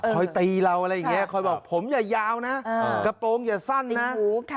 ตีเราอะไรอย่างนี้คอยบอกผมอย่ายาวนะกระโปรงอย่าสั้นนะ